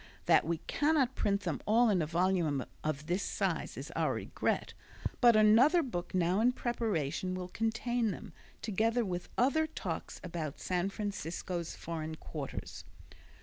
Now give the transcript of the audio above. That we cannot print them all in a volume of this size is our regret, but another book now in preparation will contain them, together with other talks about San Francisco's foreign quarters.